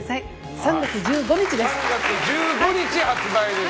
３月１５日発売です。